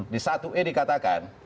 di satu e dikatakan